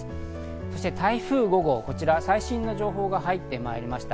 そして台風５号、最新の情報が入って参りました。